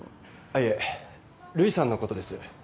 いえ瑠依さんのことです。